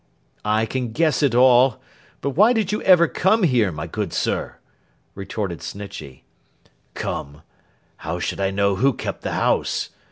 'I can guess it all. But why did you ever come here, my good sir?' retorted Snitchey. 'Come! How should I know who kept the house?